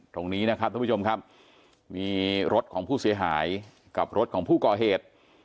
ตรงนี้นะครับท่านผู้ชมครับมีรถของผู้เสียหายกับรถของผู้ก่อเหตุ